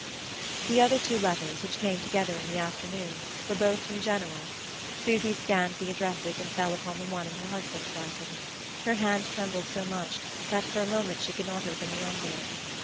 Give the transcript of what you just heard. The other two letters, which came together in the afternoon, were both from Genoa. Susy scanned the addresses and fell upon the one in her husband's writing. Her hand trembled so much that for a moment she could not open the envelope.